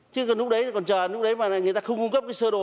chứ lúc đấy còn chờ lúc đấy mà người ta không cung cấp cái sơ đồ